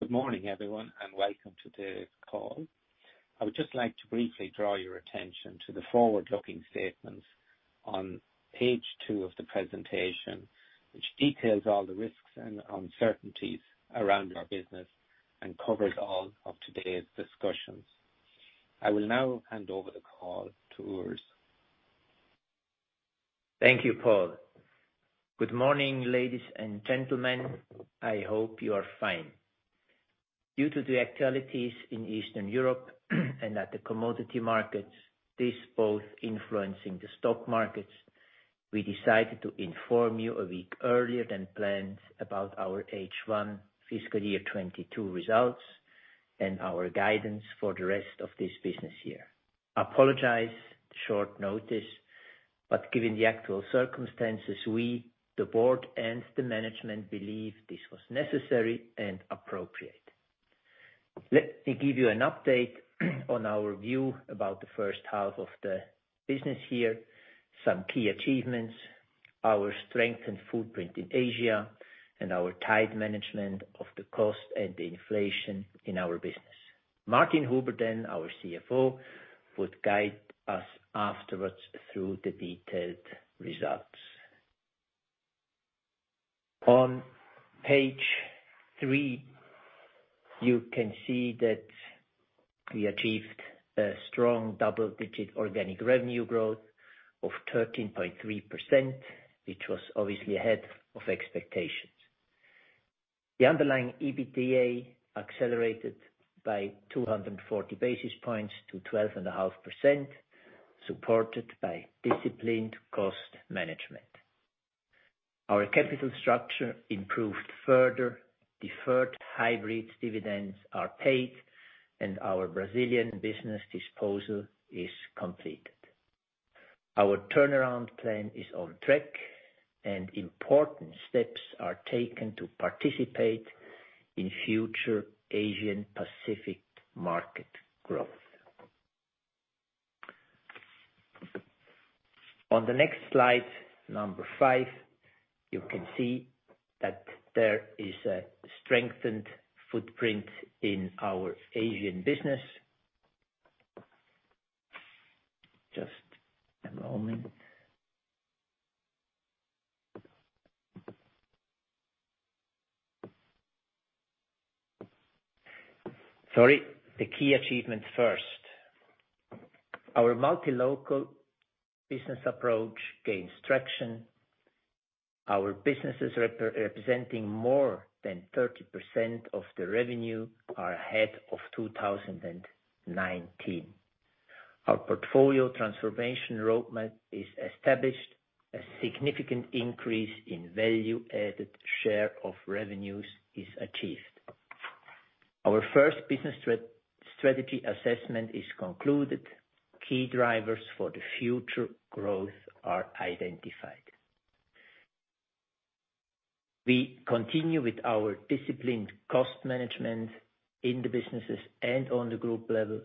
Good morning, everyone, and welcome to the call. I would just like to briefly draw your attention to the forward-looking statements on page two of the presentation, which details all the risks and uncertainties around our business and covers all of today's discussions. I will now hand over the call to Urs. Thank you, Paul. Good morning, ladies and gentlemen. I hope you are fine. Due to the activities in Eastern Europe and at the commodity markets, this both influencing the stock markets, we decided to inform you a week earlier than planned about our H1 FY 2022 results and our guidance for the rest of this business year. I apologize for the short notice, but given the actual circumstances, we, the board, and the management believe this was necessary and appropriate. Let me give you an update on our view about the H1 of the business year, some key achievements, our strength and footprint in Asia, and our tight management of the cost and the inflation in our business. Martin Huber, then our CFO, would guide us afterwards through the detailed results. On page three, you can see that we achieved a strong double-digit organic revenue growth of 13.3%, which was obviously ahead of expectations. The underlying EBITDA accelerated by 240 basis points to 12.5%, supported by disciplined cost management. Our capital structure improved further. Deferred hybrid dividends are paid, and our Brazilian business disposal is completed. Our turnaround plan is on track, and important steps are taken to participate in future Asian Pacific market growth. On the next slide, number five, you can see that there is a strengthened footprint in our Asian business. Just a moment. Sorry. The key achievements first. Our multi-local business approach gains traction. Our businesses representing more than 30% of the revenue are ahead of 2019. Our portfolio transformation roadmap is established. A significant increase in value-added share of revenues is achieved. Our first business strategy assessment is concluded. Key drivers for the future growth are identified. We continue with our disciplined cost management in the businesses and on the group level.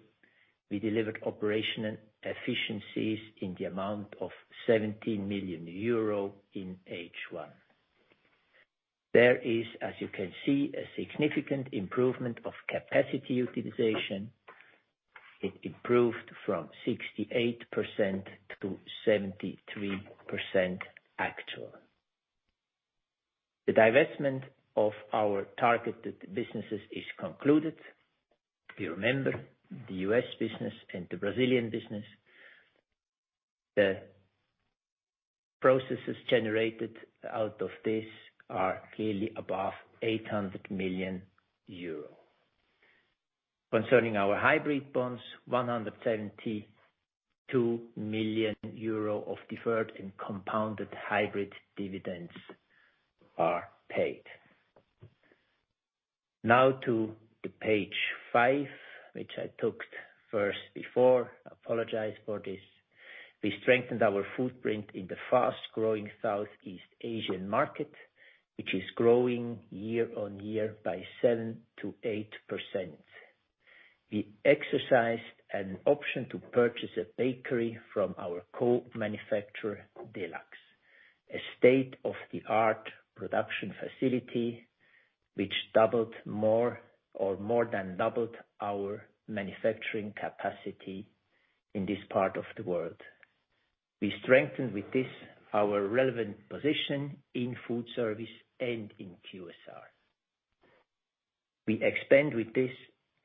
We delivered operational efficiencies in the amount of 17 million euro in H1. There is, as you can see, a significant improvement of capacity utilization. It improved from 68% to 73% actual. The divestment of our targeted businesses is concluded. If you remember, the U.S. business and the Brazilian business, the proceeds generated out of this are clearly above 800 million euro. Concerning our hybrid bonds, 172 million euro of deferred and compounded hybrid dividends are paid. Now to the page five, which I talked first before. I apologize for this. We strengthened our footprint in the fast-growing Southeast Asian market, which is growing year on year by 7%-8%. We exercised an option to purchase a bakery from our co-manufacturer, De-Luxe, a state-of-the-art production facility which more than doubled our manufacturing capacity in this part of the world. We strengthen with this our relevant position in food service and in QSR. We expand with this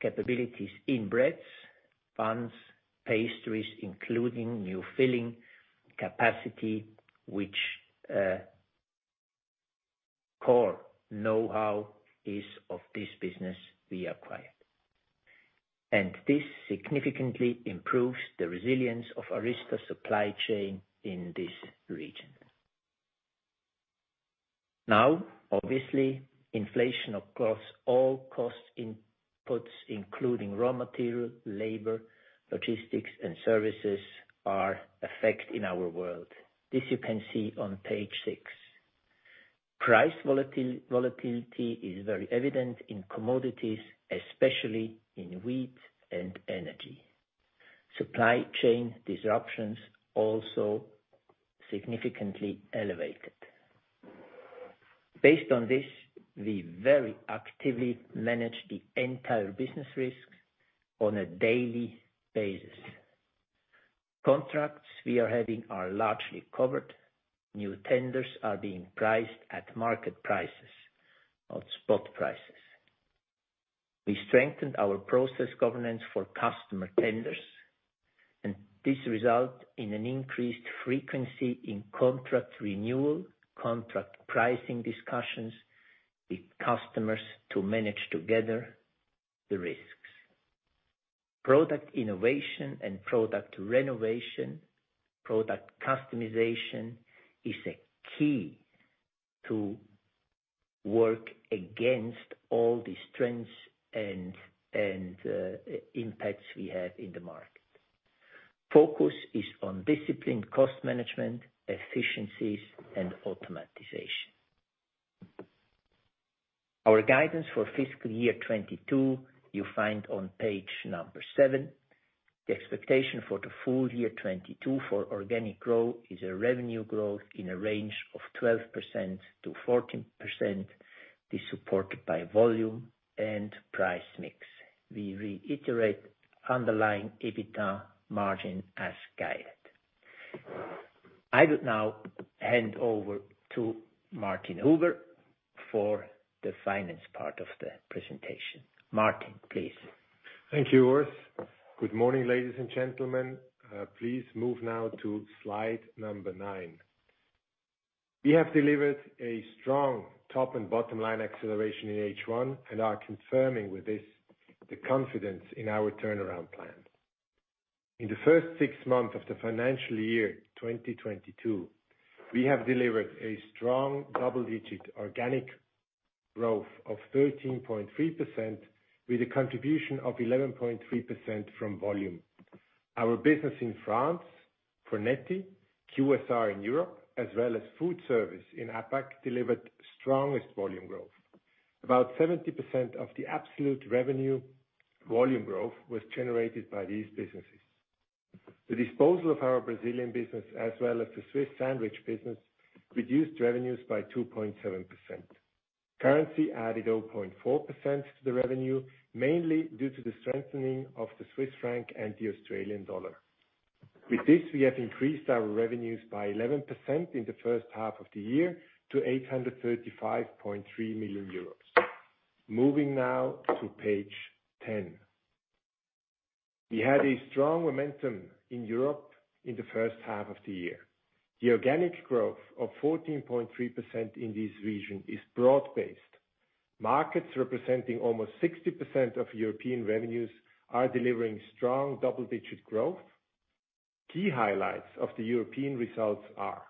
capabilities in breads, buns, pastries, including new filling capacity, which core know-how is of this business we acquired. This significantly improves the resilience of ARYZTA supply chain in this region. Now, obviously, inflation across all cost inputs, including raw material, labor, logistics, and services, are affecting our world. This you can see on page six. Price volatility is very evident in commodities, especially in wheat and energy. Supply chain disruptions also significantly elevated. Based on this, we very actively manage the entire business risk on a daily basis. Contracts we are having are largely covered. New tenders are being priced at market prices, not spot prices. We strengthened our process governance for customer tenders, and this results in an increased frequency in contract renewal, contract pricing discussions with customers to manage together the risks. Product innovation and product renovation, product customization is a key to work against all these trends and impacts we have in the market. Focus is on disciplined cost management, efficiencies, and automation. Our guidance for FY 2022, you'll find on page seven. The expectation for the full year 2022 for organic growth is a revenue growth in a range of 12%-14%, is supported by volume and price mix. We reiterate underlying EBITDA margin as guided. I will now hand over to Martin Huber for the finance part of the presentation. Martin, please. Thank you, Urs. Good morning, ladies and gentlemen. Please move now to slide nine. We have delivered a strong top and bottom-line acceleration in H1 and are confirming with this the confidence in our turnaround plan. In the first six months of the financial year 2022, we have delivered a strong double-digit organic growth of 13.3% with a contribution of 11.3% from volume. Our business in France, Fornetti, QSR in Europe, as well as food service in APAC delivered strongest volume growth. About 70% of the absolute revenue volume growth was generated by these businesses. The disposal of our Brazilian business as well as the Swiss sandwich business reduced revenues by 2.7%. Currency added 0.4% to the revenue, mainly due to the strengthening of the Swiss franc and the Australian dollar. With this, we have increased our revenues by 11% in the H1 of the year to 835.3 million euros. Moving now to page 10. We had a strong momentum in Europe in the H1 of the year. The organic growth of 14.3% in this region is broad-based. Markets representing almost 60% of European revenues are delivering strong double-digit growth. Key highlights of the European results are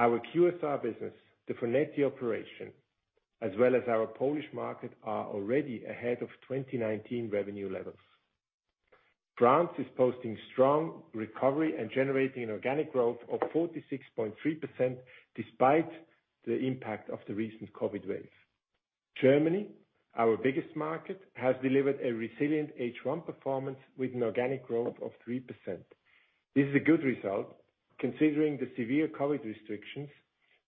our QSR business, the Fornetti operation, as well as our Polish market are already ahead of 2019 revenue levels. France is posting strong recovery and generating an organic growth of 46.3% despite the impact of the recent COVID wave. Germany, our biggest market, has delivered a resilient H1 performance with an organic growth of 3%. This is a good result considering the severe COVID restrictions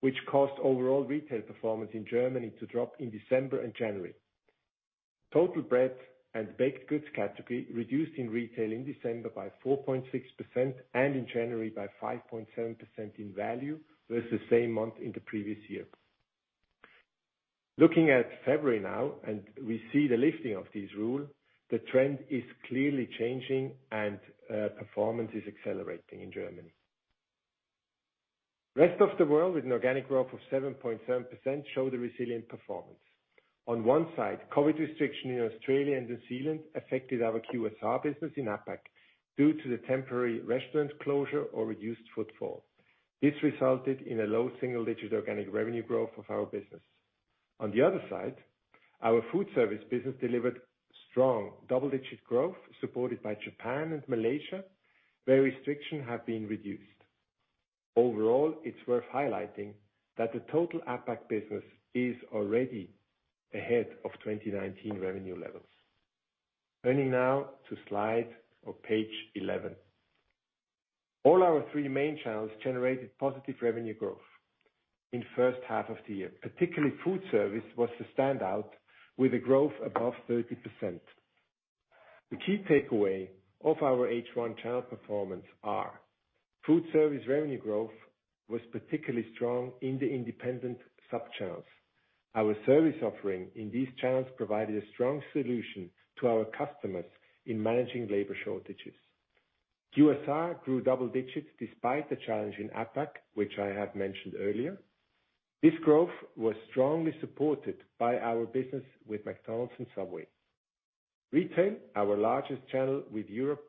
which caused overall retail performance in Germany to drop in December and January. Total bread and baked goods category reduced in retail in December by 4.6% and in January by 5.7% in value versus the same month in the previous year. Looking at February now, and we see the lifting of this rule, the trend is clearly changing and, performance is accelerating in Germany. Rest of the world with an organic growth of 7.7% show the resilient performance. On one side, COVID restriction in Australia and New Zealand affected our QSR business in APAC due to the temporary restaurant closure or reduced footfall. This resulted in a low single-digit organic revenue growth of our business. On the other side, our food service business delivered strong double-digit growth supported by Japan and Malaysia, where restrictions have been reduced. Overall, it's worth highlighting that the total APAC business is already ahead of 2019 revenue levels. Turning now to slide or page 11. All our three main channels generated positive revenue growth in H1 of the year. Particularly, food service was the standout with a growth above 30%. The key takeaway of our H1 channel performance is food service revenue growth was particularly strong in the independent sub-channels. Our service offering in these channels provided a strong solution to our customers in managing labor shortages. QSR grew double digits despite the challenges in APAC, which I have mentioned earlier. This growth was strongly supported by our business with McDonald's and Subway. Retail, our largest channel with Europe,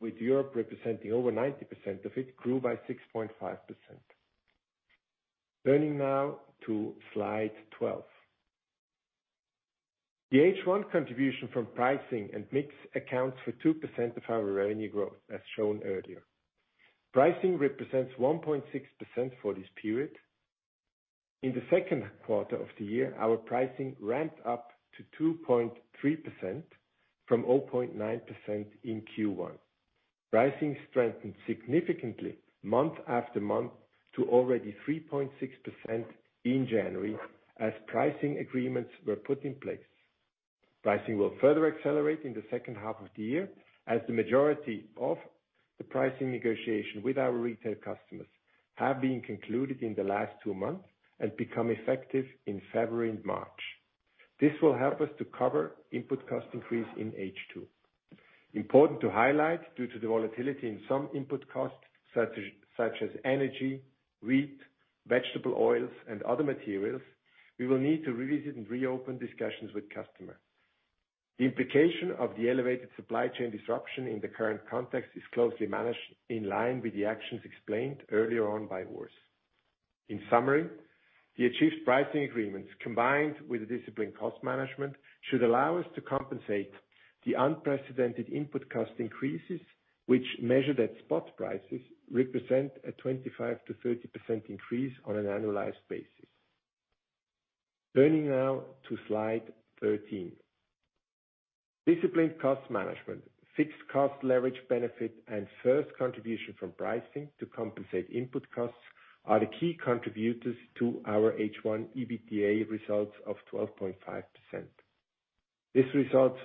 with Europe representing over 90% of it, grew by 6.5%. Turning now to slide 12. The H1 contribution from pricing and mix accounts for 2% of our revenue growth, as shown earlier. Pricing represents 1.6% for this period. In the second quarter of the year, our pricing ramped up to 2.3% from 0.9% in Q1. Pricing strengthened significantly month after month to already 3.6% in January as pricing agreements were put in place. Pricing will further accelerate in the H2 of the year as the majority of the pricing negotiation with our retail customers have been concluded in the last two months and become effective in February and March. This will help us to cover input cost increase in H2. Important to highlight, due to the volatility in some input costs, such as energy, wheat, vegetable oils, and other materials, we will need to revisit and reopen discussions with customers. The implication of the elevated supply chain disruption in the current context is closely managed in line with the actions explained earlier on by Urs. In summary, the achieved pricing agreements, combined with the disciplined cost management, should allow us to compensate the unprecedented input cost increases, which means that spot prices represent a 25%-30% increase on an annualized basis. Turning now to slide 13. Disciplined cost management, fixed cost leverage benefit, and first contribution from pricing to compensate input costs are the key contributors to our H1 EBITDA results of 12.5%. This result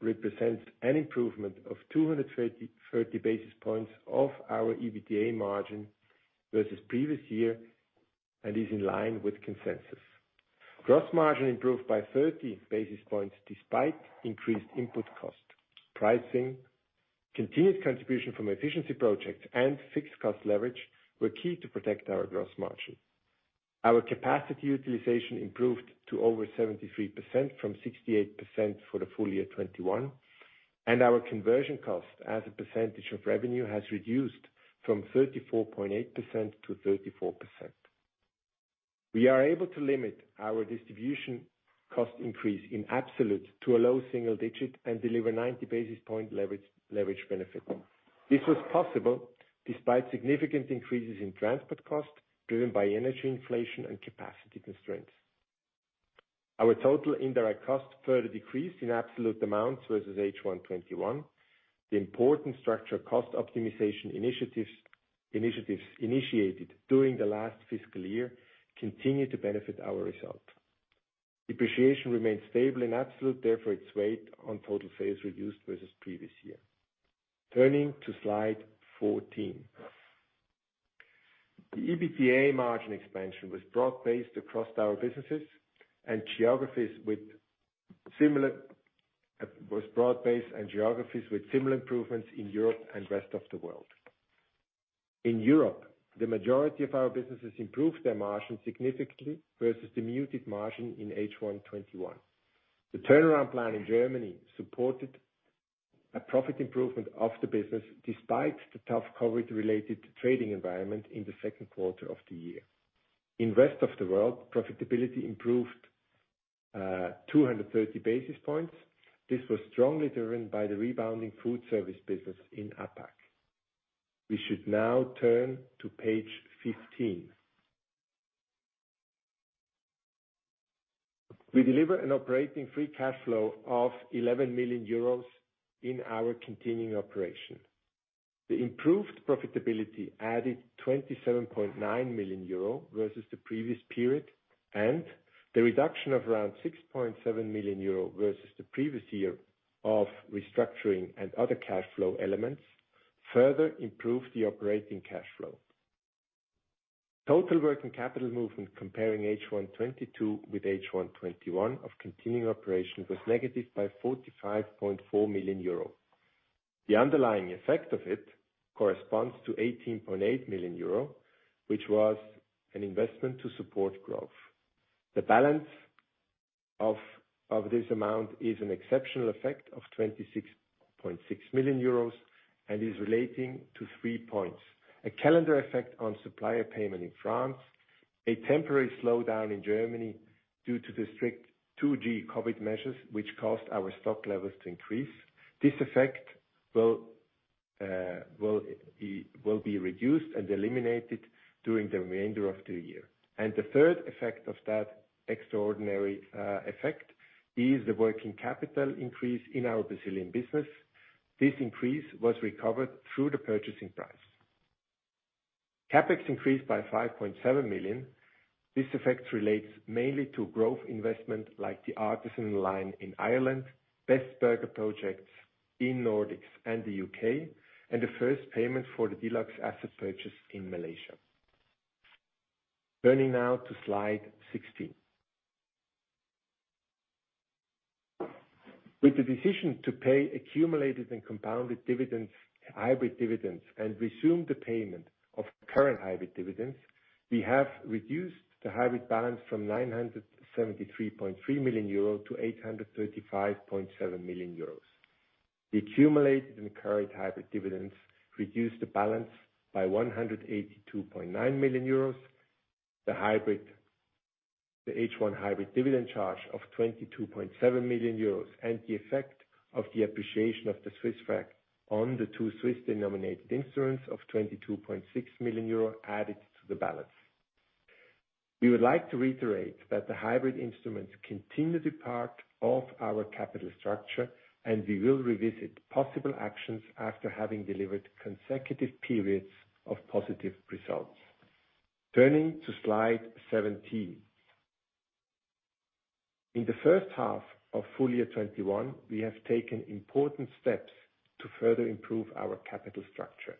represents an improvement of 230 basis points of our EBITDA margin versus previous year and is in line with consensus. Gross margin improved by 30 basis points despite increased input cost. Pricing, continued contribution from efficiency projects, and fixed cost leverage were key to protect our gross margin. Our capacity utilization improved to over 73% from 68% for the full year 2021, and our conversion cost as a percentage of revenue has reduced from 34.8%-34%. We are able to limit our distribution cost increase in absolute to a low single digit and deliver 90 basis points leverage benefit. This was possible despite significant increases in transport costs driven by energy inflation and capacity constraints. Our total indirect costs further decreased in absolute amounts versus H1 2021. The structural cost optimization initiatives initiated during the last FY continue to benefit our results. Depreciation remains stable in absolute, therefore its weight on total sales reduced versus previous year. Turning to slide 14. The EBITDA margin expansion was broad-based across our businesses and geographies with similar improvements in Europe and rest of the world. In Europe, the majority of our businesses improved their margin significantly versus the muted margin in H1 2021. The turnaround plan in Germany supported a profit improvement of the business despite the tough COVID-related trading environment in the second quarter of the year. In rest of the world, profitability improved 230 basis points. This was strongly driven by the rebounding food service business in APAC. We should now turn to page 15. We deliver an operating free cash flow of 11 million euros in our continuing operation. The improved profitability added 27.9 million euro versus the previous period, and the reduction of around 6.7 million euro versus the previous year of restructuring and other cash flow elements further improved the operating cash flow. Total working capital movement comparing H1 2022 with H1 2021 of continuing operation was negative by 45.4 million euro. The underlying effect of it corresponds to 18.8 million euro, which was an investment to support growth. The balance of this amount is an exceptional effect of 26.6 million euros and is relating to three points. A calendar effect on supplier payment in France, a temporary slowdown in Germany due to the strict 2G COVID measures which caused our stock levels to increase. This effect will be reduced and eliminated during the remainder of the year. The third effect of that extraordinary effect is the working capital increase in our Brazilian business. This increase was recovered through the purchase price. CapEx increased by 5.7 million. This effect relates mainly to growth investment like the Artisan line in Ireland, Best Burger projects in Nordics and the U.K., and the first payment for the De-Luxe asset purchase in Malaysia. Turning now to slide 16. With the decision to pay accumulated and compounded dividends, hybrid dividends and resume the payment of current hybrid dividends, we have reduced the hybrid balance from 973.3 million euro to 835.7 million euros. The accumulated and current hybrid dividends reduced the balance by 182.9 million euros. The H1 hybrid dividend charge of 22.7 million euros and the effect of the appreciation of the Swiss franc on the two Swiss-denominated instruments of 22.6 million euro added to the balance. We would like to reiterate that the hybrid instruments continue to be part of our capital structure, and we will revisit possible actions after having delivered consecutive periods of positive results. Turning to slide 17. In the H1 of full year 2021, we have taken important steps to further improve our capital structure.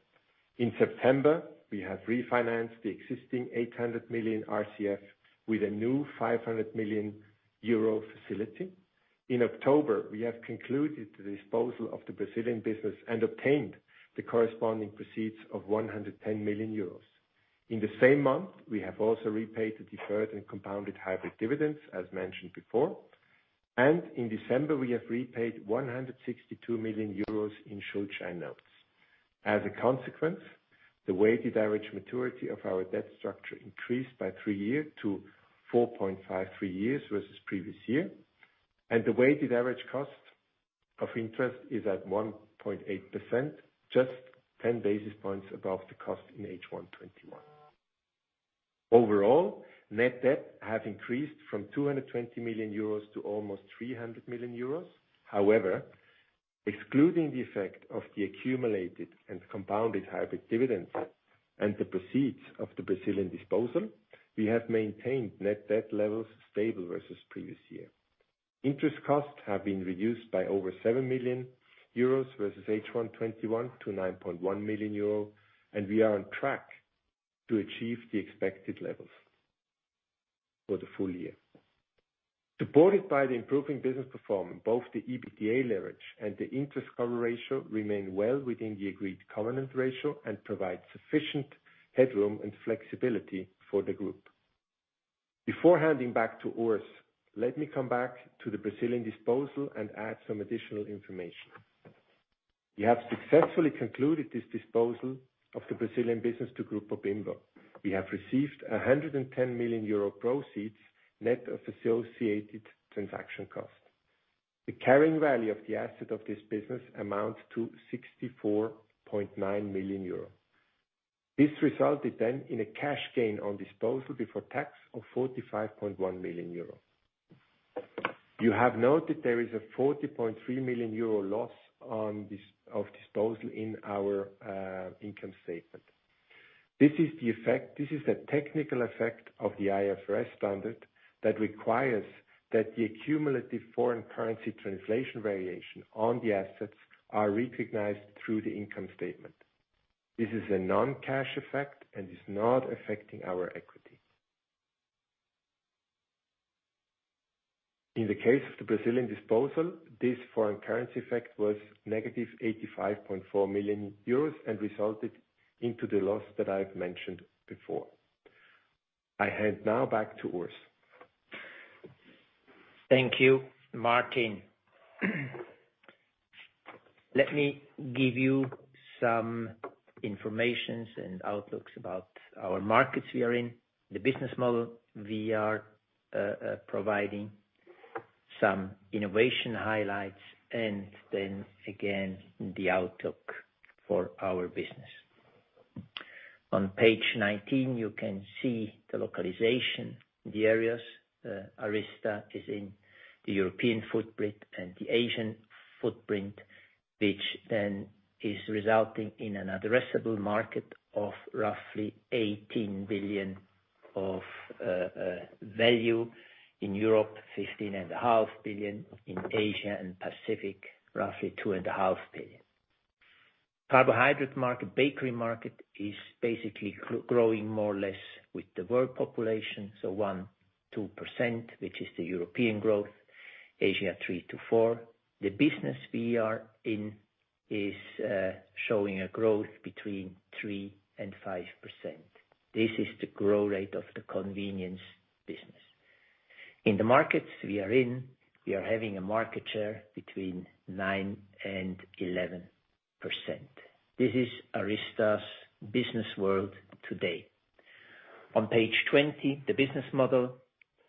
In September, we have refinanced the existing 800 million RCF with a new 500 million euro facility. In October, we have concluded the disposal of the Brazilian business and obtained the corresponding proceeds of 110 million euros. In the same month, we have also repaid the deferred and compounded hybrid dividends, as mentioned before. In December, we have repaid 162 million euros in Schuldscheindarlehen. As a consequence, the weighted average maturity of our debt structure increased by three years to 4.53 years versus previous year. The weighted average cost of interest is at 1.8%, just 10 basis points above the cost in H1 2021. Overall, net debt have increased from 220 million euros to almost 300 million euros. However, excluding the effect of the accumulated and compounded hybrid dividends and the proceeds of the Brazilian disposal, we have maintained net debt levels stable versus previous year. Interest costs have been reduced by over 7 million euros versus H1 2021 to 9.1 million euro, and we are on track to achieve the expected levels for the full year. Supported by the improving business performance, both the EBITDA leverage and the interest cover ratio remain well within the agreed covenant ratio and provide sufficient headroom and flexibility for the group. Before handing back to Urs, let me come back to the Brazilian disposal and add some additional information. We have successfully concluded this disposal of the Brazilian business to Grupo Bimbo. We have received 110 million euro proceeds, net of associated transaction costs. The carrying value of the asset of this business amounts to 64.9 million euro. This resulted then in a cash gain on disposal before tax of 45.1 million euro. You have noted there is a 40.3 million euro loss on disposal in our income statement. This is a technical effect of the IFRS standard that requires that the accumulative foreign currency translation variation on the assets are recognized through the income statement. This is a non-cash effect and is not affecting our equity. In the case of the Brazilian disposal, this foreign currency effect was negative 85.4 million euros and resulted into the loss that I've mentioned before. I hand now back to Urs. Thank you, Martin. Let me give you some information and outlooks about our markets we are in, the business model we are providing, some innovation highlights, and then again, the outlook for our business. On page 19, you can see the localization, the areas, ARYZTA is in the European footprint and the Asian footprint, which then is resulting in an addressable market of roughly 18 billion of value. In Europe, 15.5 billion. In Asia and Pacific, roughly 2.5 billion. The carbohydrate market, bakery market is basically growing more or less with the world population, so 1%-2%, which is the European growth. Asia, 3%-4%. The business we are in is showing a growth between 3%-5%. This is the growth rate of the convenience business. In the markets we are in, we are having a market share between 9%-11%. This is ARYZTA's business world today. On page 20, the business model.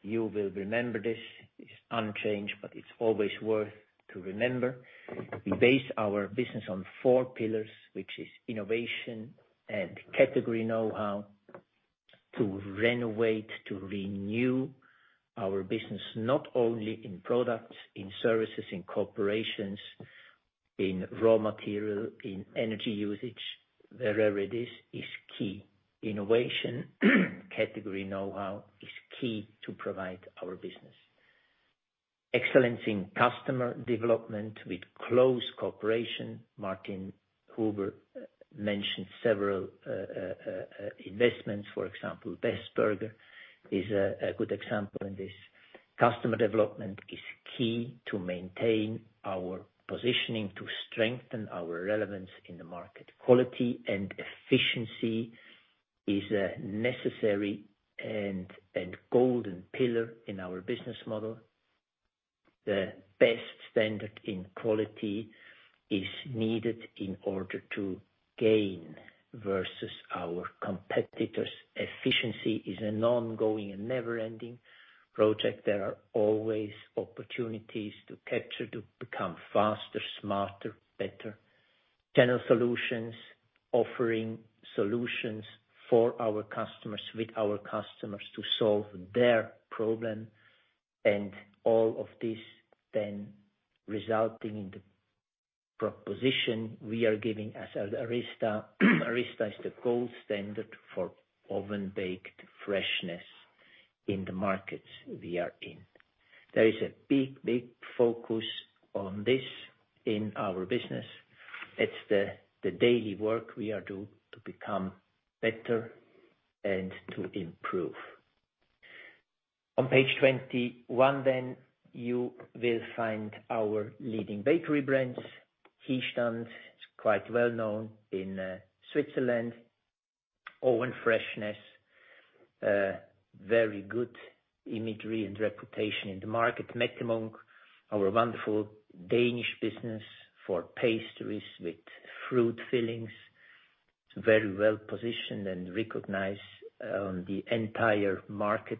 You will remember this. It's unchanged, but it's always worth to remember. We base our business on four pillars, which is innovation and category know-how. To renovate, to renew our business, not only in products, in services, in operations, in raw material, in energy usage, wherever it is key. Innovation, category know-how is key to provide our business. Excellence in customer development with close cooperation. Martin Huber mentioned several investments. For example, Best Burger is a good example in this. Customer development is key to maintain our positioning, to strengthen our relevance in the market. Quality and efficiency is a necessary and golden pillar in our business model. The best standard in quality is needed in order to gain versus our competitors. Efficiency is an ongoing and never ending project. There are always opportunities to capture, to become faster, smarter, better. Channel solutions, offering solutions for our customers, with our customers to solve their problem. All of this then resulting in the proposition we are giving as ARYZTA. ARYZTA is the gold standard for oven-baked freshness in the markets we are in. There is a big focus on this in our business. It's the daily work we do to become better and to improve. On page 21 then, you will find our leading bakery brands. Hiestand is quite well-known in Switzerland. Oven Freshness, a very good imagery and reputation in the market. Mette Munk, our wonderful Danish business for pastries with fruit fillings. It's very well-positioned and recognized on the entire market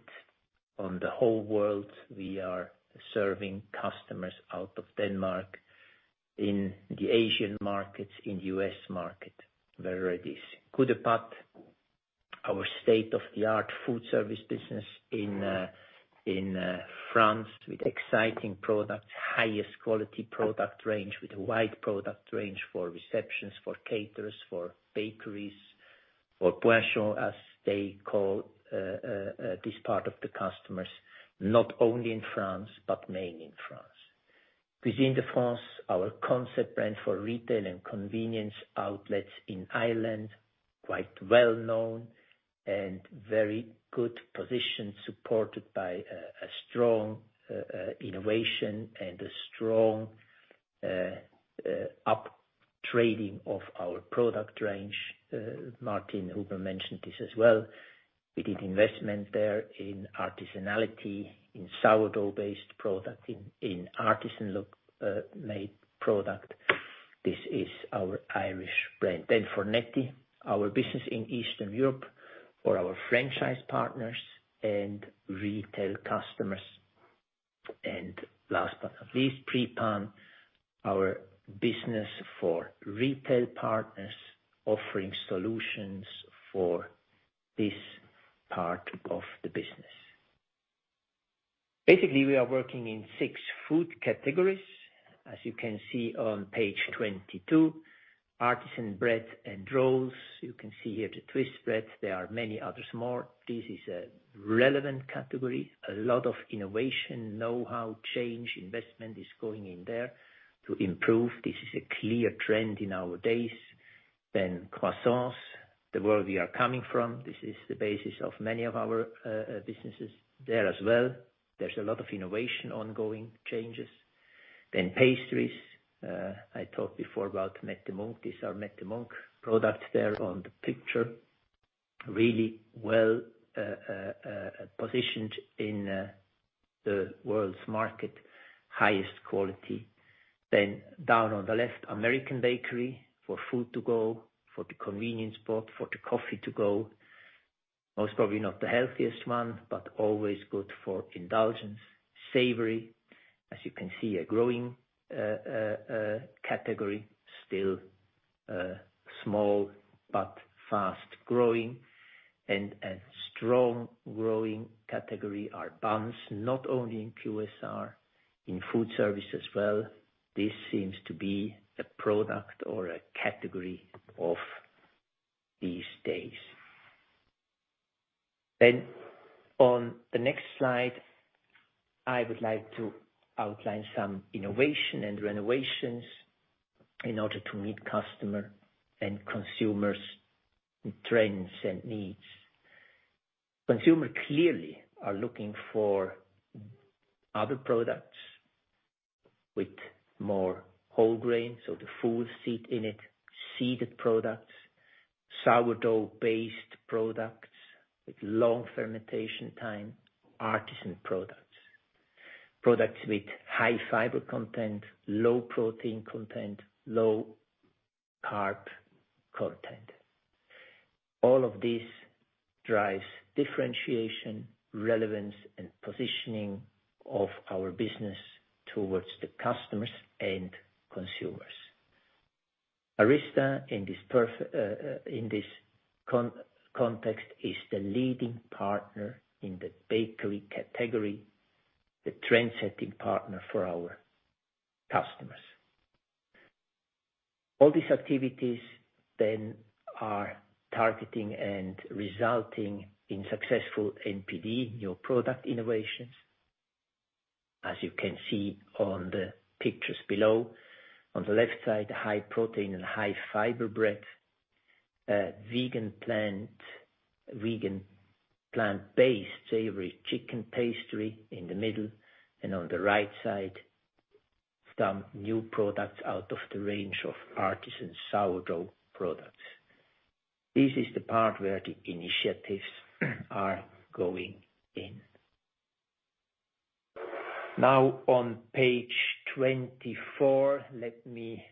on the whole world. We are serving customers out of Denmark, in the Asian markets, in U.S. market, where it is. Coup de Pâtes, our state-of-the-art food service business in France with exciting products, highest quality product range, with a wide product range for receptions, for caterers, for bakeries or point chaud, as they call this part of the customers, not only in France, but mainly in France. Cuisine de France, our concept brand for retail and convenience outlets in Ireland, quite well-known and very good position, supported by a strong innovation and a strong up trading of our product range. Martin Huber mentioned this as well. We did investment there in artisanality, in sourdough-based product, in artisan look, made product. This is our Irish brand. Fornetti, our business in Eastern Europe for our franchise partners and retail customers. Last but not least, Pré Pain, our business for retail partners offering solutions for this part of the business. Basically, we are working in six food categories. As you can see on page 22, artisan bread and rolls. You can see here the twist breads. There are many others more. This is a relevant category. A lot of innovation, know-how, change, investment is going in there to improve. This is a clear trend in our days. Croissants, the world we are coming from. This is the basis of many of our businesses there as well. There's a lot of innovation, ongoing changes. Pastries. I talked before about Mette Munk. These are Mette Munk products there on the picture. Really well positioned in the world's market, highest quality. Down on the left, American Bakery for food to go, for the convenience spot, for the coffee to go. Most probably not the healthiest one, but always good for indulgence. Savory, as you can see, a growing category, still small but fast-growing. A strong growing category are buns, not only in QSR, in food service as well. This seems to be a product or a category of these days. On the next slide, I would like to outline some innovation and renovations in order to meet customer and consumers' trends and needs. Consumers clearly are looking for other products with more whole grains, so the full seed in it, seeded products, sourdough-based products with long fermentation time, artisan products with high fiber content, low protein content, low carb content. All of this drives differentiation, relevance, and positioning of our business towards the customers and consumers. ARYZTA, in this context, is the leading partner in the bakery category, the trendsetting partner for our customers. All these activities then are targeting and resulting in successful NPD, new product innovations, as you can see on the pictures below. On the left side, high protein and high fiber bread. Vegan plant-based savory chicken pastry in the middle and on the right side. Some new products out of the range of artisan sourdough products. This is the part where the initiatives are going in. Now on page 24, let me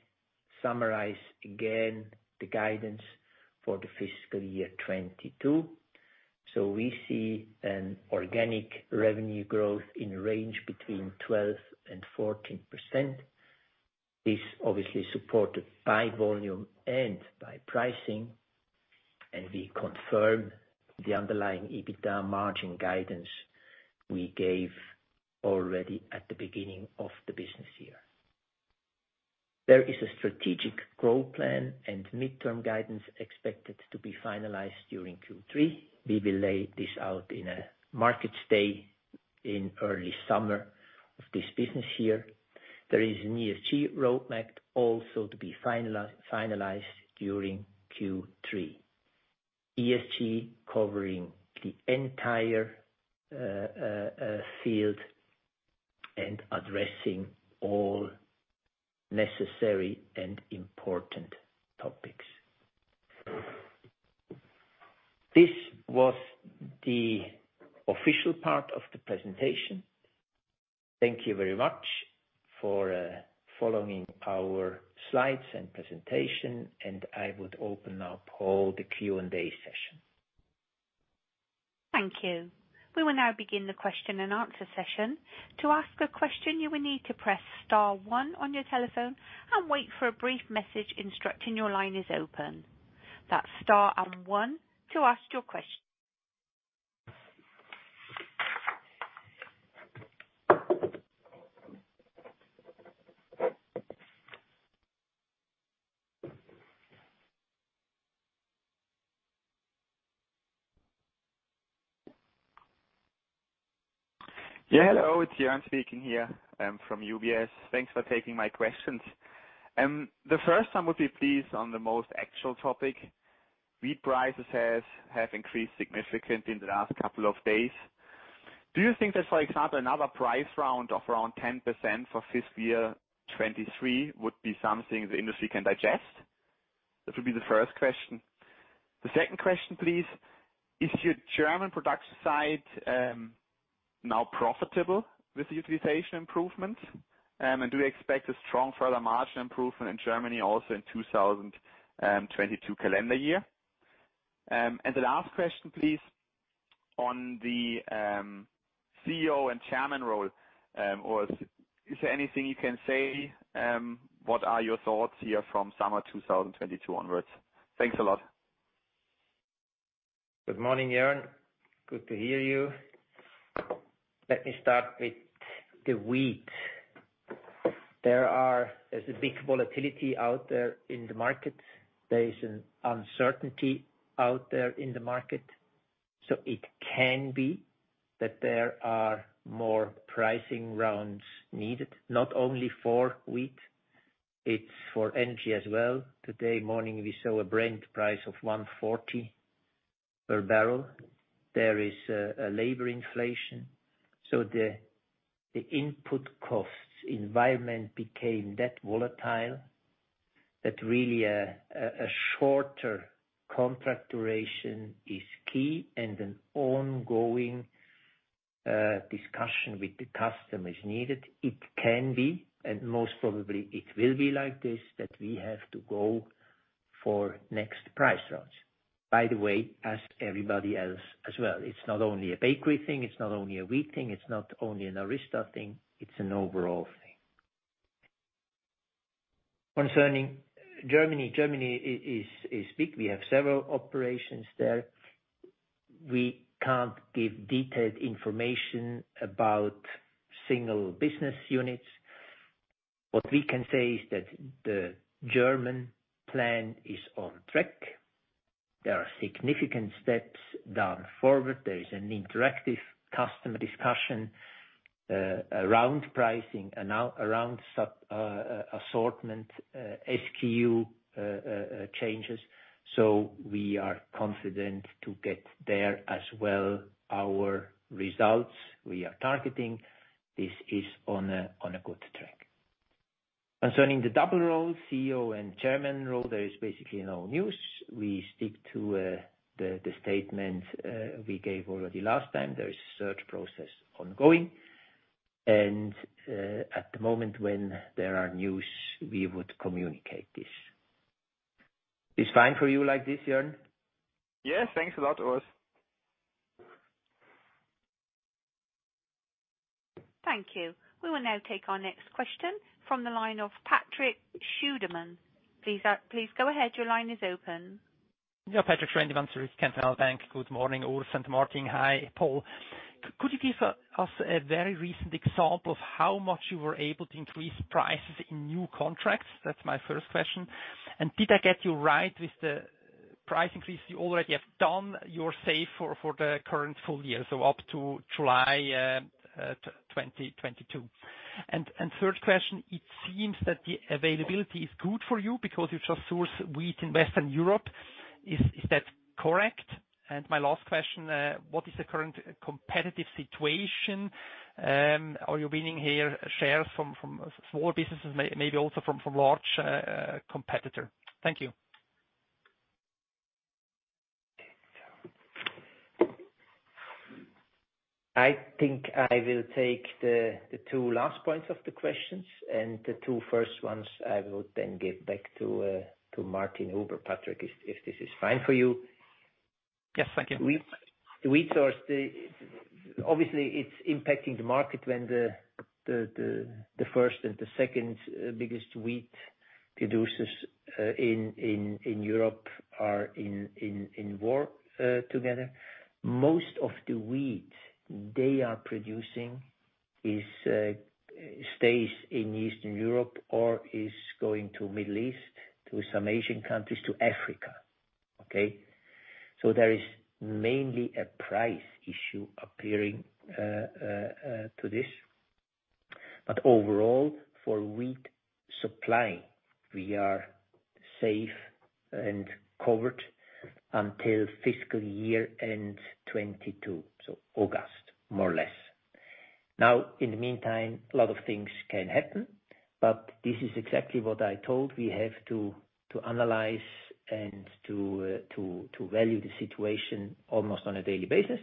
summarize again the guidance for the FY 2022. We see an organic revenue growth in range between 12%-14%. This obviously supported by volume and by pricing, and we confirm the underlying EBITDA margin guidance we gave already at the beginning of the business year. There is a strategic growth plan and midterm guidance expected to be finalized during Q3. We will lay this out in a management statement in early summer of this business year. There is an ESG roadmap also to be finalized during Q3. ESG covering the entire field and addressing all necessary and important topics. This was the official part of the presentation. Thank you very much for following our slides and presentation, and I would open up all the Q&A session. Thank you. We will now begin the question-and-answer session. To ask a question, you will need to press star one on your telephone and wait for a brief message instructing your line is open. That's star and one to ask your question. Yeah, hello. It's Joern speaking here from UBS. Thanks for taking my questions. The first, I would be pleased, on the most actual topic. Wheat prices have increased significantly in the last couple of days. Do you think that, for example, another price round of around 10% for FY 2023 would be something the industry can digest? That would be the first question. The second question, please. Is your German production site now profitable with the utilization improvements? And do you expect a strong further margin improvement in Germany also in 2022 calendar year? And the last question please, on the CEO and chairman role. Or is there anything you can say, what are your thoughts here from summer 2022 onwards? Thanks a lot. Good morning, Jern. Good to hear you. Let me start with the wheat. There's a big volatility out there in the market. There is an uncertainty out there in the market. It can be that there are more pricing rounds needed, not only for wheat, it's for energy as well. This morning we saw a Brent price of $140 per barrel. There is a labor inflation. The input costs environment became that volatile that really a shorter contract duration is key and an ongoing discussion with the customer is needed. It can be, and most probably it will be like this, that we have to go for next price rounds. By the way, as everybody else as well. It's not only a bakery thing, it's not only a wheat thing, it's not only an ARYZTA thing, it's an overall thing. Concerning Germany, it is big. We have several operations there. We can't give detailed information about single business units. What we can say is that the German plan is on track. There are significant steps done forward. There is an interactive customer discussion around pricing and around assortment, SKU changes. We are confident to get there as well. Our results we are targeting, this is on a good track. Concerning the double role, CEO and Chairman role, there is basically no news. We stick to the statement we gave already last time. There is a search process ongoing and at the moment when there are news, we would communicate this. It's fine for you like this, Joern? Yes, thanks a lot, Urs. Thank you. We will now take our next question from the line of Patrik Schwendimann. Please go ahead. Your line is open. Yeah, Patrik Schwendimann, Swiss Cantonal Bank. Good morning, Urs and Martin. Hi, Paul. Could you give us a very recent example of how much you were able to increase prices in new contracts? That's my first question. Did I get you right with the price increase you already have done, you're safe for the current full year, so up to July 2022. Third question. It seems that the availability is good for you because you just source wheat in Western Europe. Is that correct? My last question, what is the current competitive situation? Are you winning here shares from small businesses, maybe also from large competitor? Thank you. I think I will take the two last points of the questions, and the two first ones I will then give back to Martin Huber. Patrick, if this is fine for you. Yes. Thank you. The wheat source. Obviously, it's impacting the market when the first and the second biggest wheat producers in Europe are in war together. Most of the wheat they are producing stays in Eastern Europe or is going to Middle East, to some Asian countries, to Africa. Okay? There is mainly a price issue appearing to this. Overall, for wheat supply, we are safe and covered until FY end 2022, so August, more or less. Now, in the meantime, a lot of things can happen, but this is exactly what I told we have to analyze and to value the situation almost on a daily basis.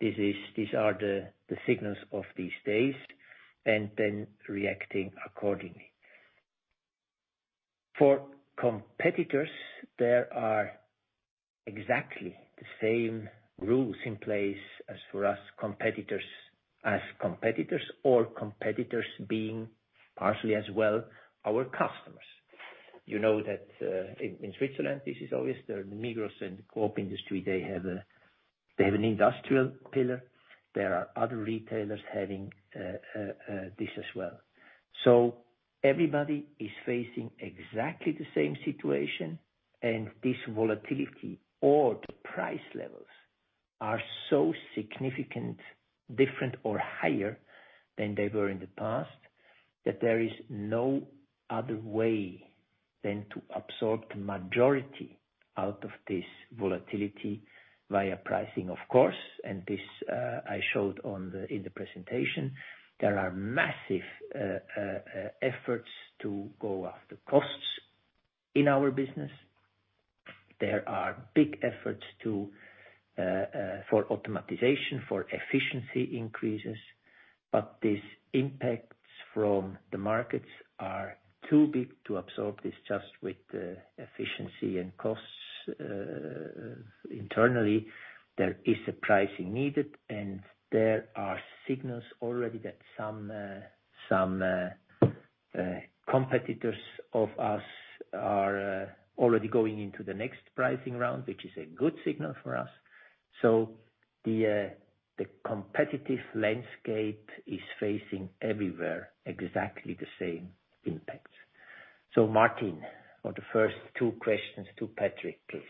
These are the signals of these days, and then reacting accordingly. For competitors, there are exactly the same rules in place as for us, competitors, as competitors or competitors being partially as well our customers. You know that in Switzerland, this is always the Migros and the Coop industry. They have an industrial pillar. There are other retailers having this as well. Everybody is facing exactly the same situation, and this volatility or the price levels are so significant, different or higher than they were in the past, that there is no other way than to absorb the majority out of this volatility via pricing, of course. This I showed in the presentation. There are massive efforts to go after costs in our business. There are big efforts for automation, for efficiency increases. These impacts from the markets are too big to absorb this just with the efficiency and costs internally. There is a pricing needed, and there are signals already that some competitors of us are already going into the next pricing round, which is a good signal for us. The competitive landscape is facing everywhere exactly the same impacts. Martin, for the first two questions to Patrik, please.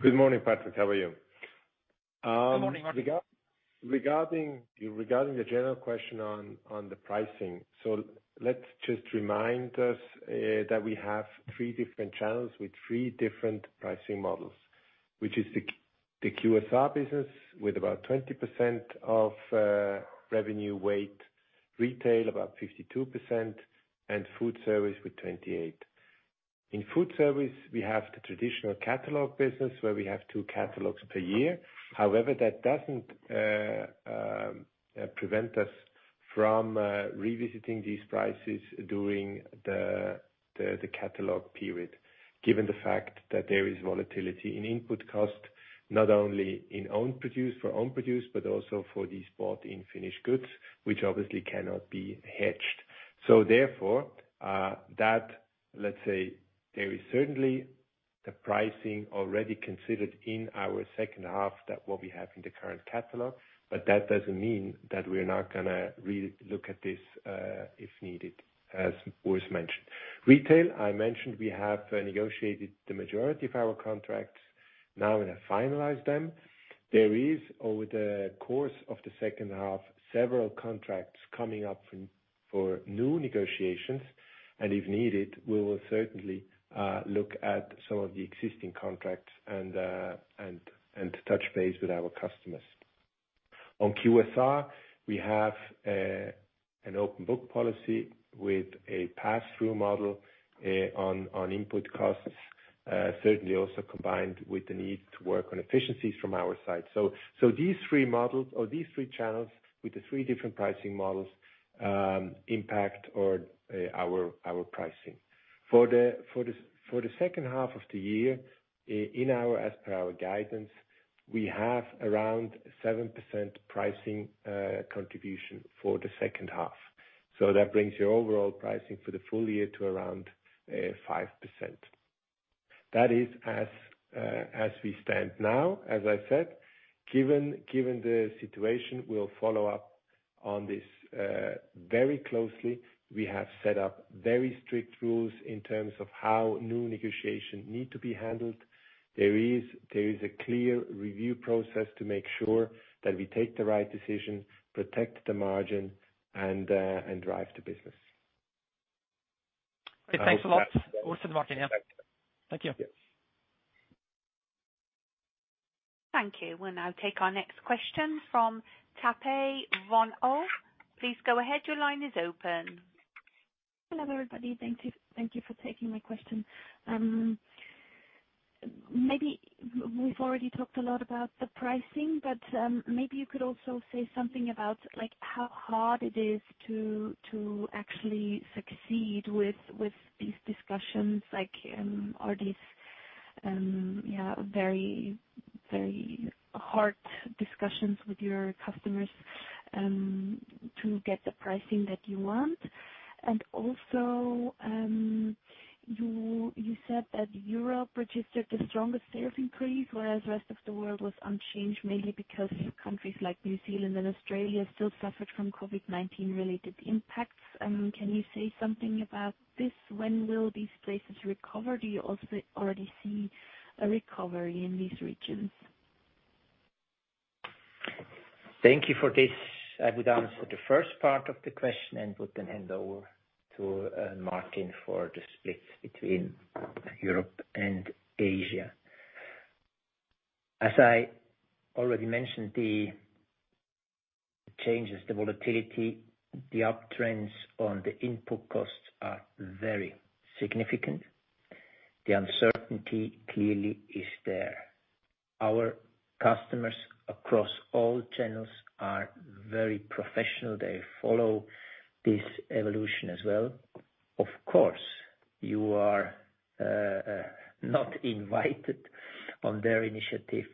Good morning, Patrik. How are you? Good morning, Martin. Regarding the general question on the pricing, let's just remind us that we have three different channels with three different pricing models, which is the QSR business with about 20% of revenue weight, retail about 52%, and food service with 28%. In food service, we have the traditional catalog business where we have 2 catalogs per year. However, that doesn't prevent us from revisiting these prices during the catalog period, given the fact that there is volatility in input cost, not only in own produce, but also for these bought-in finished goods, which obviously cannot be hedged. Therefore, that, let's say, there is certainly the pricing already considered in our H2 that what we have in the current catalog, but that doesn't mean that we're not gonna re-look at this, if needed, as Urs mentioned. Retail, I mentioned we have negotiated the majority of our contracts. Now we're gonna finalize them. There is, over the course of the H2, several contracts coming up for new negotiations. If needed, we will certainly look at some of the existing contracts and touch base with our customers. On QSR, we have an open book policy with a pass-through model on input costs, certainly also combined with the need to work on efficiencies from our side. These three models or these three channels with the three different pricing models impact our pricing. For the H2 of the year, in our, as per our guidance, we have around 7% pricing contribution for the H2. That brings your overall pricing for the full year to around 5%. That is as we stand now, as I said. Given the situation, we'll follow up on this very closely. We have set up very strict rules in terms of how new negotiation need to be handled. There is a clear review process to make sure that we take the right decision, protect the margin and drive the business. Okay, thanks a lot. Over to Martin now. Thank you. Thank you. We'll now take our next question from Patrik von Ow. Please go ahead. Your line is open. Hello, everybody. Thank you for taking my question. Maybe we've already talked a lot about the pricing, but maybe you could also say something about, like, how hard it is to actually succeed with these discussions. Like, are these yeah, very hard discussions with your customers to get the pricing that you want? Also, you said that Europe registered the strongest sales increase, whereas the rest of the world was unchanged, mainly because countries like New Zealand and Australia still suffered from COVID-19 related impacts. Can you say something about this? When will these places recover? Do you also already see a recovery in these regions? Thank you for this. I would answer the first part of the question and would then hand over to Martin for the split between Europe and Asia. As I already mentioned, the changes, the volatility, the uptrends on the input costs are very significant. The uncertainty clearly is there. Our customers across all channels are very professional. They follow this evolution as well. Of course, you are not invited on their initiative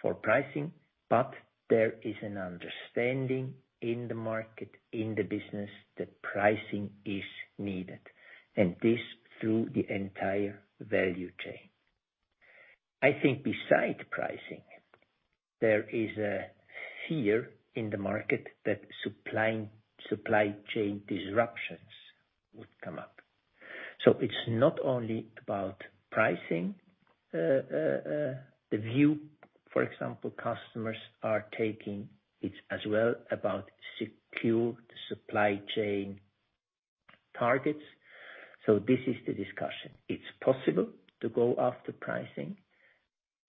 for pricing, but there is an understanding in the market, in the business that pricing is needed, and this through the entire value chain. I think besides pricing, there is a fear in the market that supply chain disruptions would come up. It's not only about pricing, the view, for example, customers are taking, it's as well about secure the supply chain targets. This is the discussion. It's possible to go after pricing,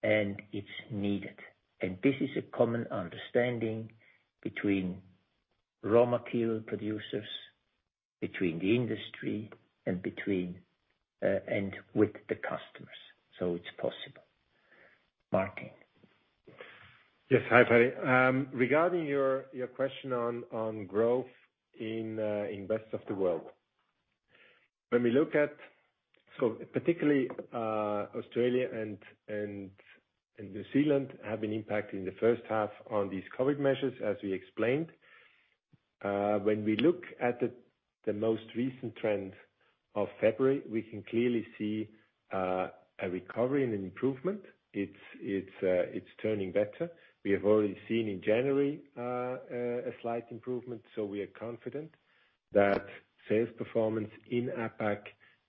and it's needed. This is a common understanding between raw material producers, between the industry and between, and with the customers, so it's possible. Martin. Yes. Hi. Regarding your question on growth in rest of the world. When we look at particularly Australia and New Zealand have an impact in the H1 on these COVID measures, as we explained. When we look at the most recent trend of February, we can clearly see a recovery and an improvement. It's turning better. We have already seen in January a slight improvement, so we are confident that sales performance in APAC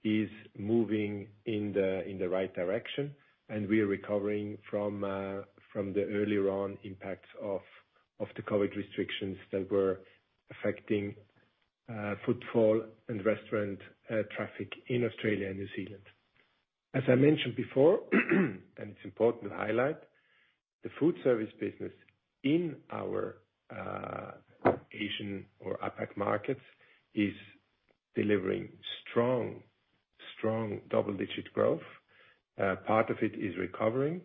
is moving in the right direction and we are recovering from the earlier on impacts of the COVID restrictions that were affecting footfall and restaurant traffic in Australia and New Zealand. As I mentioned before, and it's important to highlight, the food service business in our Asian or APAC markets is delivering strong double-digit growth. Part of it is recovering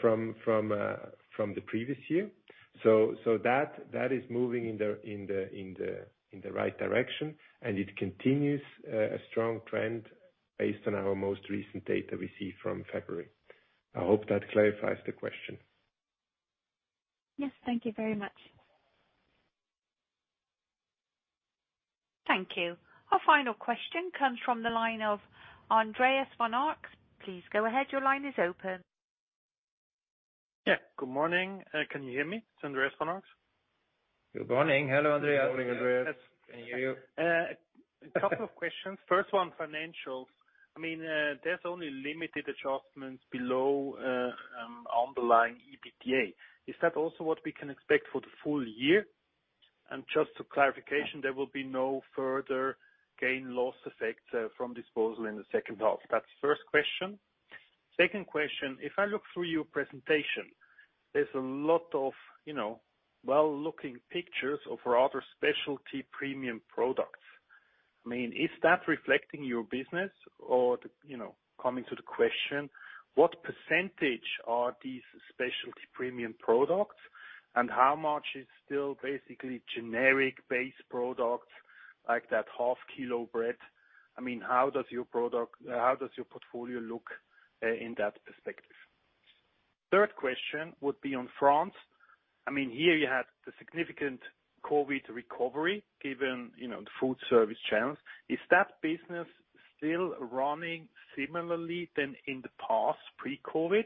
from the previous year. That is moving in the right direction and it continues a strong trend based on our most recent data we see from February. I hope that clarifies the question. Yes. Thank you very much. Thank you. Our final question comes from the line of Andreas von Arx. Please go ahead. Your line is open. Yeah. Good morning. Can you hear me? It's Andreas von Arx. Good morning. Hello, Andreas. Good morning, Andreas. Can you hear me? A couple of questions. First one, financials. I mean, there's only limited adjustments below underlying EBITDA. Is that also what we can expect for the full year? Just for clarification, there will be no further gain/loss effects from disposal in the H2. That's first question. Second question, if I look through your presentation, there's a lot of, you know, well-looking pictures of rather specialty premium products. I mean, is that reflecting your business? You know, coming to the question, what percentage are these specialty premium products, and how much is still basically generic base products like that half kilo bread? I mean, how does your portfolio look in that perspective? Third question would be on France. I mean, here you had the significant COVID recovery, given, you know, the food service channels. Is that business still running similarly than in the past, pre-COVID?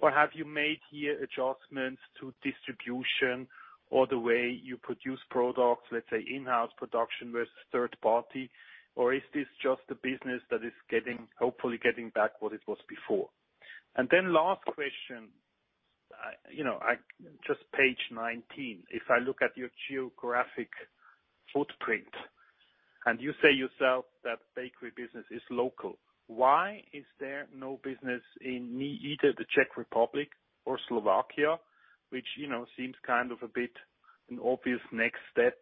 Or have you made any adjustments to distribution or the way you produce products, let's say in-house production versus third party? Or is this just a business that is getting, hopefully, back what it was before? Last question. You know, just page 19. If I look at your geographic footprint, and you say yourself that bakery business is local, why is there no business in either the Czech Republic or Slovakia, which, you know, seems kind of a bit of an obvious next step,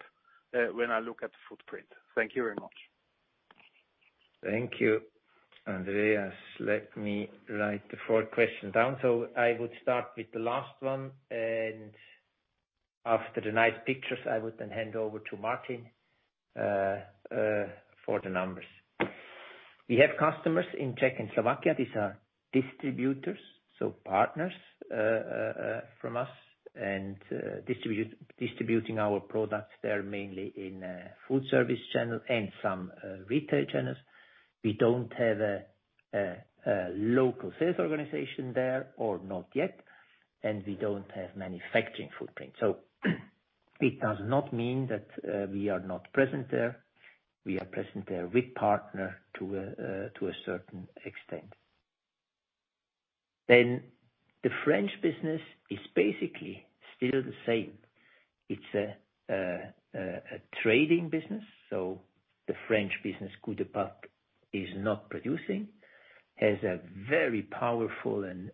when I look at the footprint? Thank you very much. Thank you, Andreas von Arx. Let me write the four questions down. I would start with the last one, and after the nice pictures, I would then hand over to Martin Huber for the numbers. We have customers in Czech and Slovakia. These are distributors, so partners from us and distributing our products there, mainly in food service channel and some retail channels. We don't have a local sales organization there, or not yet, and we don't have manufacturing footprint. It does not mean that we are not present there. We are present there with partner to a certain extent. The French business is basically still the same. It's a trading business, so the French business, Coup de Pâtes, is not producing. has a very powerful and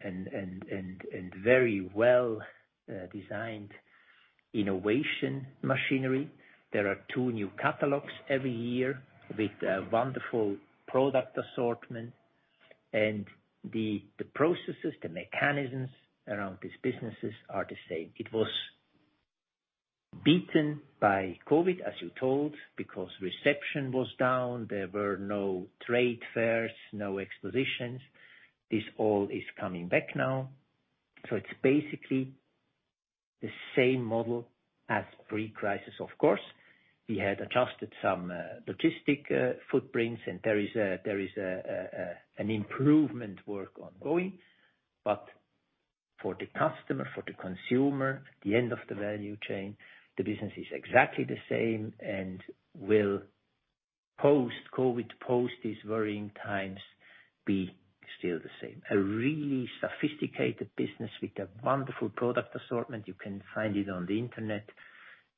very well designed innovation machinery. There are two new catalogs every year with a wonderful product assortment, and the processes, the mechanisms around these businesses are the same. It was beaten by COVID, as you told, because reception was down. There were no trade fairs, no expositions. This all is coming back now. It's basically the same model as pre-crisis, of course. We had adjusted some logistics footprints, and there is an improvement work ongoing. For the customer, for the consumer, the end of the value chain, the business is exactly the same and will, post-COVID, post these worrying times, be still the same. A really sophisticated business with a wonderful product assortment. You can find it on the internet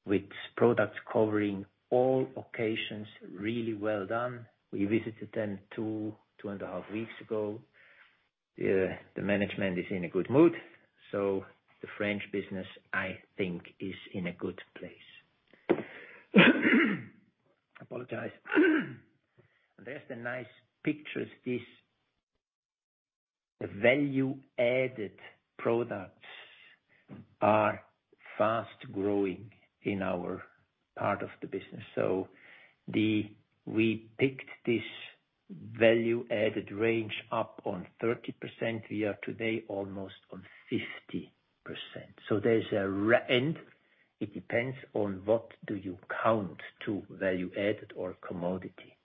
with products covering all occasions, really well done. We visited them 2.5 weeks ago. The management is in a good mood, so the French business, I think, is in a good place. Apologize. There are the nice pictures. These value-added products are fast-growing in our part of the business. We picked this value-added range up on 30%. We are today almost on 50%. It depends on what do you count to value-added or commodity.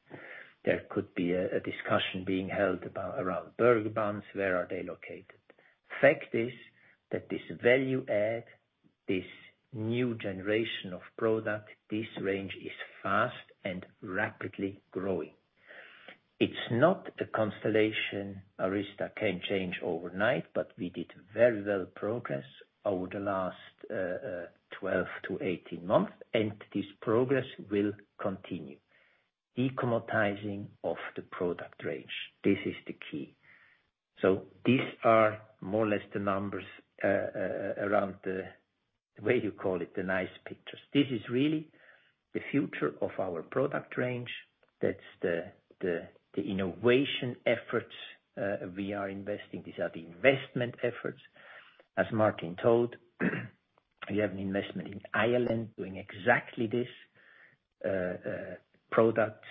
There could be a discussion being held about around burger buns, where are they located. Fact is that this value add, this new generation of product, this range is fast and rapidly growing. It's not a constellation ARYZTA can change overnight, but we did very well progress over the last 12-18 months, and this progress will continue. Decommoditizing of the product range, this is the key. These are more or less the numbers around the way you call it, the nice pictures. This is really the future of our product range. That's the innovation efforts we are investing. These are the investment efforts. As Martin told, we have an investment in Ireland doing exactly this, products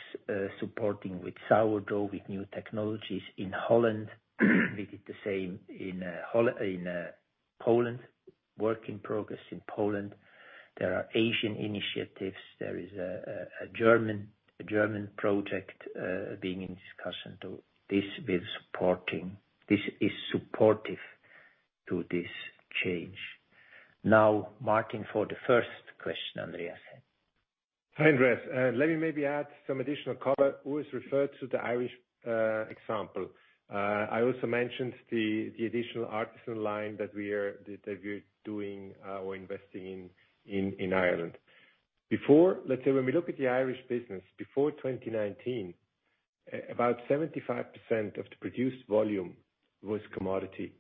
supporting with sourdough, with new technologies in Holland. We did the same in Poland, work in progress in Poland. There are Asian initiatives. There is a German project being in discussion to this. This is supportive to this change. Now, Martin, for the first question Andreas had. Hi, Andreas. Let me maybe add some additional color. Urs has referred to the Irish example. I also mentioned the additional artisan line that we're doing or investing in in Ireland. Let's say when we look at the Irish business, before 2019, about 75% of the produced volume was commodity.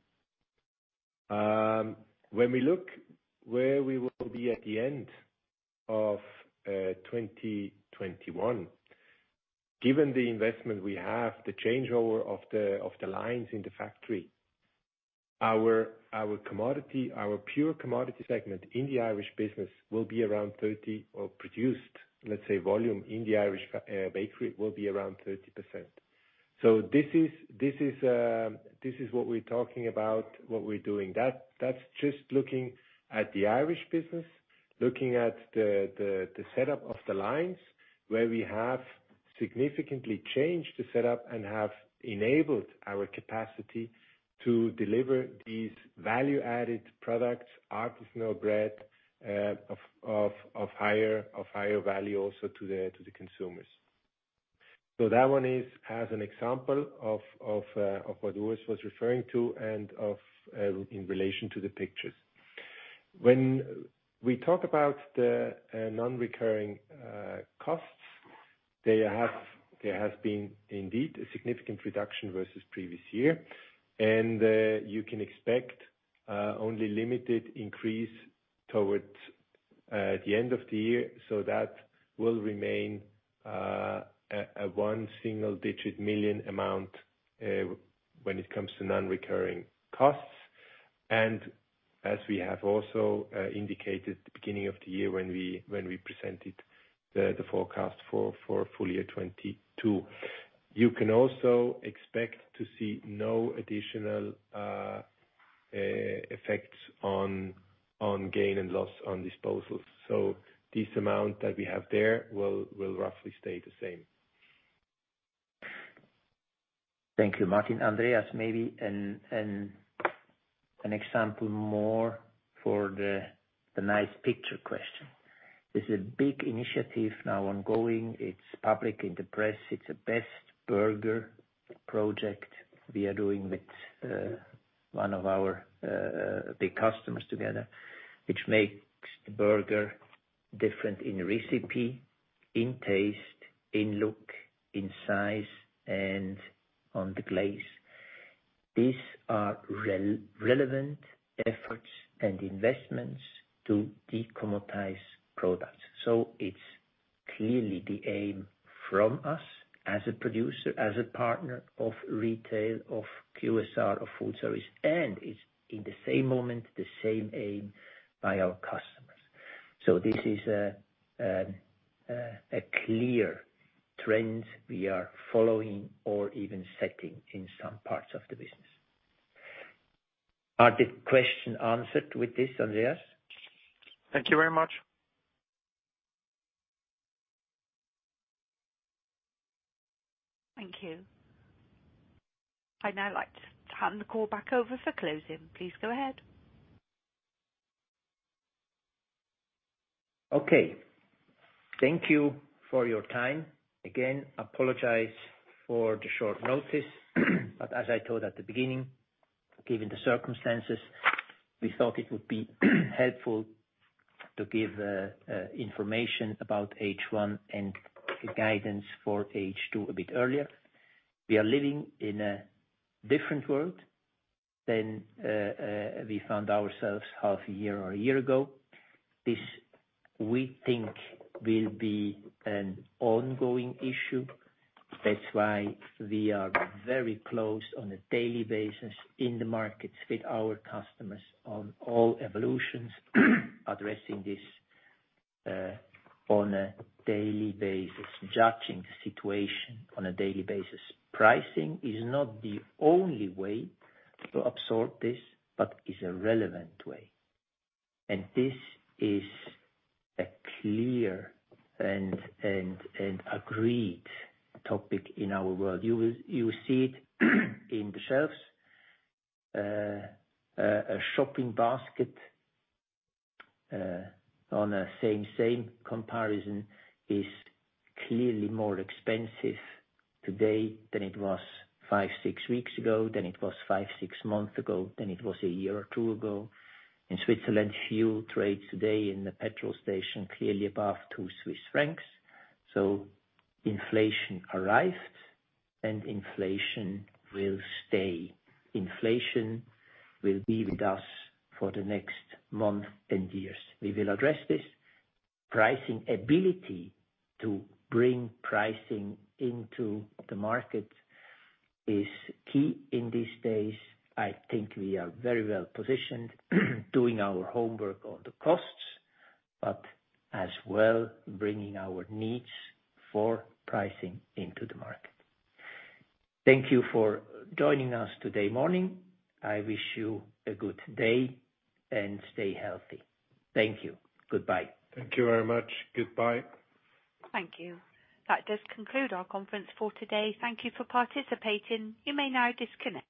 When we look where we will be at the end of 2021, given the investment we have, the changeover of the lines in the factory, our commodity, our pure commodity segment in the Irish business will be around 30% of produced volume in the Irish bakery. This is what we're talking about, what we're doing. That, that's just looking at the Irish business, looking at the setup of the lines where we have significantly changed the setup and have enabled our capacity to deliver these value-added products, artisanal bread, of higher value also to the consumers. That one is as an example of what Urs was referring to and in relation to the pictures. When we talk about the non-recurring costs, there has been indeed a significant reduction versus previous year. You can expect only limited increase towards the end of the year, so that will remain a single-digit million EUR amount when it comes to non-recurring costs. As we have also indicated at the beginning of the year when we presented the forecast for full year 2022. You can also expect to see no additional effects on gain and loss on disposals. This amount that we have there will roughly stay the same. Thank you, Martin. Andreas, maybe an example more for the nice picture question. There's a big initiative now ongoing. It's public in the press. It's a Best Burger project we are doing with one of our big customers together, which makes the burger different in recipe, in taste, in look, in size, and on the glaze. These are relevant efforts and investments to decommoditize products. It's clearly the aim from us as a producer, as a partner of retail, of QSR, of food service, and it's in the same moment, the same aim by our customers. This is a clear trend we are following or even setting in some parts of the business. Is the question answered with this, Andreas? Thank you very much. Thank you. I'd now like to hand the call back over for closing. Please go ahead. Okay. Thank you for your time. Again, I apologize for the short notice, but as I told at the beginning, given the circumstances, we thought it would be helpful to give information about H1 and the guidance for H2 a bit earlier. We are living in a different world than we found ourselves half a year or a year ago. This, we think will be an ongoing issue. That's why we are very close on a daily basis in the markets with our customers on all evolutions, addressing this on a daily basis, judging the situation on a daily basis. Pricing is not the only way to absorb this, but is a relevant way. This is a clear and agreed topic in our world. You will see it in the shelves. A shopping basket on the same comparison is clearly more expensive today than it was five-six weeks ago, than it was five-six months ago, than it was a year or two ago. In Switzerland, fuel trades today in the petrol station clearly above two CHF. Inflation arrived and inflation will stay. Inflation will be with us for the next month and years. We will address this. Pricing ability to bring pricing into the market is key in these days. I think we are very well positioned, doing our homework on the costs, but as well bringing our needs for pricing into the market. Thank you for joining us this morning. I wish you a good day, and stay healthy. Thank you. Goodbye. Thank you very much. Goodbye. Thank you. That does conclude our conference for today. Thank you for participating. You may now disconnect.